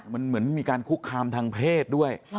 มันเหมือนมีการคุกคามทางเพศด้วย